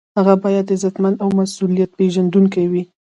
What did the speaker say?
هغه باید عزتمند او مسؤلیت پیژندونکی وي.